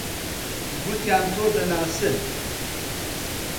گوتیان تۆ دەناسن.